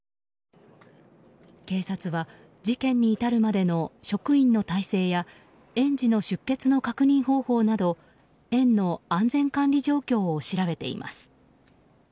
警察は、事件に至るまでの職員の体制や園児の出欠の確認方法など園の安全管理状況を調べています。